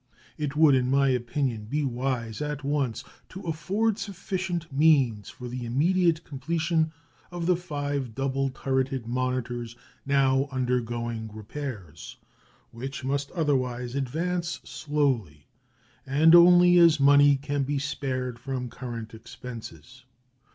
It would, in my opinion, be wise at once to afford sufficient means for the immediate completion of the five double turreted monitors now undergoing repairs, which must otherwise advance slowly, and only as money can be spared from current expenses.